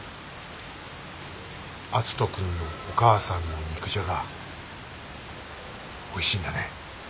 篤人君のお母さんの肉じゃがおいしいんだね。